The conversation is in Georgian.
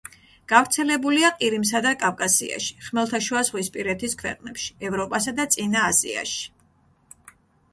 გავრცელებულია ყირიმსა და კავკასიაში, ხმელთაშუაზღვისპირეთის ქვეყნებში, ევროპასა და წინა აზიაში.